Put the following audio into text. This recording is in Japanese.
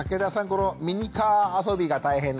このミニカーあそびが大変だと。